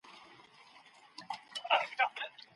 انسان تر ټولو غوره مخلوق شمېرل کيږي.